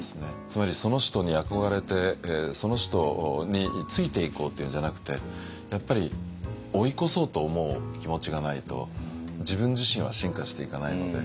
つまりその人に憧れてその人についていこうというんじゃなくてやっぱり追い越そうと思う気持ちがないと自分自身は進化していかないので。